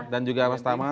dan juga mas tama